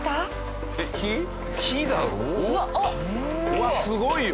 うわっすごいよ。